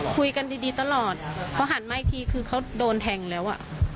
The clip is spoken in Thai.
คุยกันดีตลอดเขาหันมาอีกทีคือเขาโดนแทงแล้ว